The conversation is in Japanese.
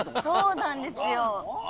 そうなんですよ。